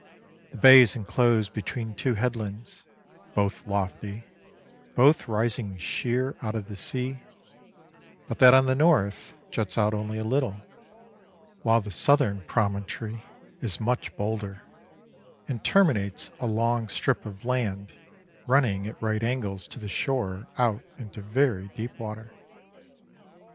The bay is enclosed between two headlands, both lofty, both rising sheer out of the sea, but that on the north juts out only a little, while the southern promontory is much bolder, and terminates a long strip of land running at right angles to the shore out into very deep water.